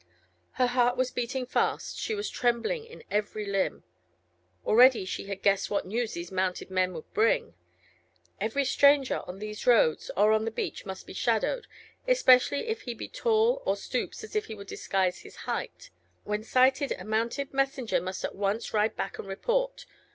Her heart was beating fast, she was trembling in every limb; already she had guessed what news these mounted men would bring. "Every stranger on these roads or on the beach must be shadowed, especially if he be tall or stoops as if he would disguise his height; when sighted a mounted messenger must at once ride back and report."